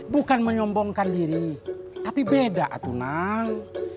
bukan menyombongkan diri tapi beda tuh nang